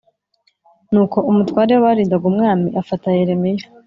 Nuko umutware w abarindaga umwami afata Yeremiya